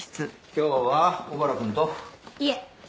今日は小原くんと？いえ。